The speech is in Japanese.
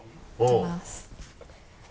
いきます。